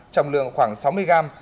trọng lượng khoảng sáu mươi gram